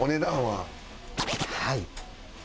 はい。